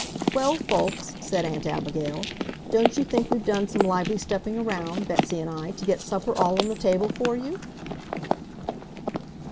"Well, folks," said Aunt Abigail, "don't you think we've done some lively stepping around, Betsy and I, to get supper all on the table for you?"